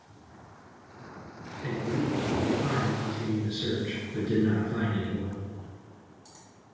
A group left behind continued the search, but did not find anyone.